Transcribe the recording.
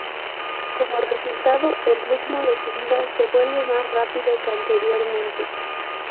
Como resultado, el ritmo de vida se vuelve más rápido que anteriormente.